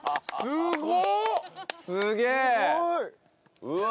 すごっ！